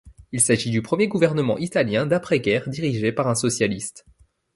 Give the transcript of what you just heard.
Il s'agit du premier gouvernement italien d'après-guerre dirigé par un socialiste.